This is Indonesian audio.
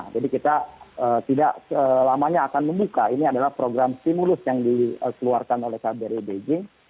jadi kita tidak selamanya akan membuka ini adalah program simulus yang diseluarkan oleh kaberi beijing